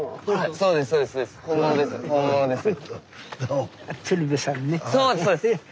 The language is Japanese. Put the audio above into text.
そうですそうです。